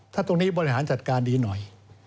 ถ้าตรงนี้บริหารจัดการดีหน่อย